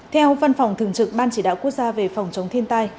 theo văn phòng thường trực ban chỉ đạo quốc gia về phòng chống thiên tai